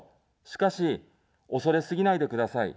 しかし、恐れすぎないでください。